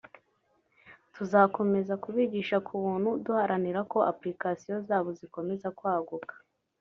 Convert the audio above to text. tuzanakomeza kubigisha ku buntu duharanira ko application zabo zikomeza kwaguka